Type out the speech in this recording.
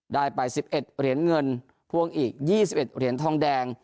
ได้ไปสิบเอ็ดเหรียญเงินพวงอีกยี่สิบเอ็ดเหรียญทองแดง